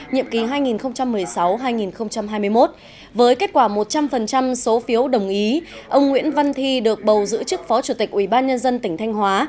nhiệm kỳ hai nghìn một mươi sáu hai nghìn hai mươi một với kết quả một trăm linh số phiếu đồng ý ông nguyễn văn thi được bầu giữ chức phó chủ tịch ubnd tỉnh thanh hóa